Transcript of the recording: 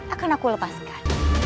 akan aku lepaskan